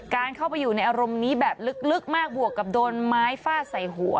การเข้าไปอยู่ในอารมณ์นี้แบบลึกมากบวกกับโดนไม้ฟาดใส่หัว